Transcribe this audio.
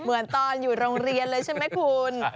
เหมือนตอนอยู่โรงเรียนเลยใช่ไหมคุณ